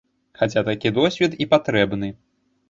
Хаця такі досвед і патрэбны.